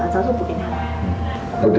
cũng như là nền giáo dục của việt nam